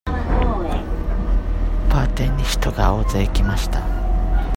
パーティーに人が大勢来ました。